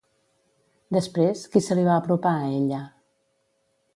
Després, qui se li va apropar a ella?